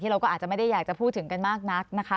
เราก็อาจจะไม่ได้อยากจะพูดถึงกันมากนักนะคะ